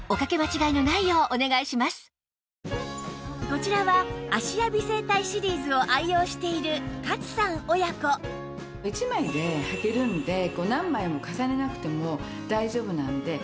こちらは芦屋美整体シリーズを愛用している勝さん親子一枚ではけるんでこう何枚も重ねなくても大丈夫なので。